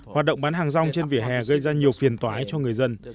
hoạt động bán hàng rong trên vỉa hè gây ra nhiều phiền toái cho người dân